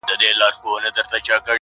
د پاچا لور وم پر طالب مینه سومه،